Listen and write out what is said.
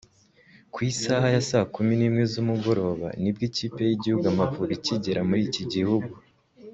Ku isaha ya saa kumi n’imwe z’umugoroba nibwo ikipe y’igihugu Amavubi ikigera muri iki gihugu